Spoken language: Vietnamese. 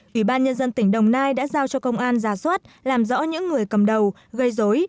ủy ban nhân dân tỉnh đồng nai đã giao cho công an ra soát làm rõ những người cầm đầu gây dối